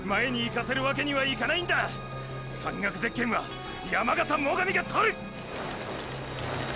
山岳ゼッケンは山形最上が獲る！